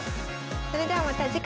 それではまた次回。